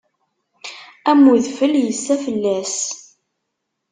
Am udfel yessa fell-as.